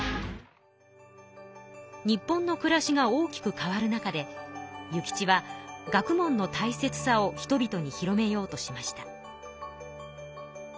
日本の暮らしが大きく変わる中で諭吉は学問の大切さを人々に広めようとしました。